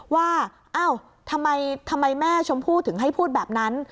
ว่าเอ้าทำไมแม่ชมพู่ถึงให้พูดแบบนั้น